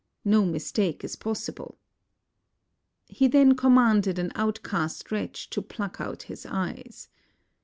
No mistake is possible." He then commanded an outcast wretch to pluck out his eyes.